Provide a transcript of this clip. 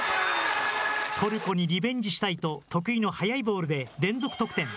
トルコにリベンジしたいと、得意の速いボールで、連続得点。